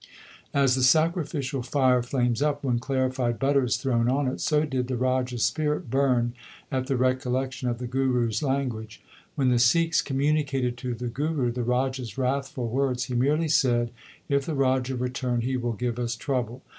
As the sacrificial fire flames up when clarified butter is thrown on it, so did the Raja s spirit burn at the recollection of the Guru s language. When the Sikhs communicated to the Guru the Raja s wrathful words he merely said, If the Raja return he will give us trouble.